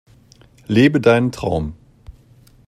Lebe deinen Traum!